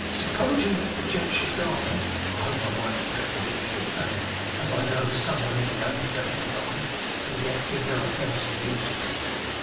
'Suppoging that the gent should die, I hope I might take the liberty of saying as I know'd some one in the undertaking line, and yet give no offence to you, sir?